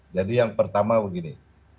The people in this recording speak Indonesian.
jadi yang pertama begini